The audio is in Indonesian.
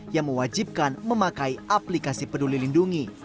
yang mewajibkan memakai aplikasi peduli lindungi